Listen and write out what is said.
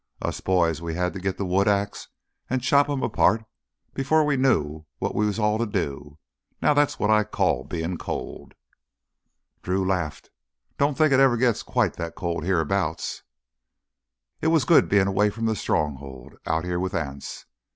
Us boys, we hadda go git th' wood ax an' chop 'em apart 'fore we knew what we was all to do. Now that's what I call bein' cold!" Drew laughed. "Don't think it ever gets quite that cold hereabouts." It was good being away from the Stronghold, out here with Anse.